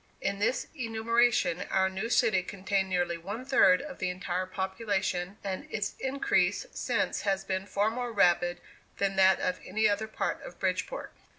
In this enumeration, our new city contained nearly one third of the entire population, and its increase since has been far more rapid than that of any other part of Bridgeport.